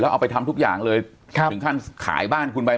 เอาไปทำทุกอย่างเลยถึงขั้นขายบ้านคุณไป